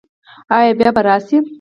ایا بیا به راشئ؟